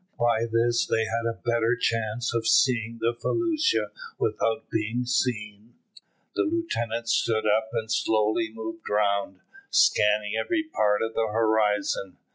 By this they had a better chance of seeing the felucca without being seen. The lieutenant stood up and slowly moved round, scanning every part of the horizon.